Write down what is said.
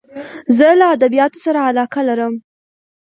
زه له ادبیاتو سره علاقه لرم.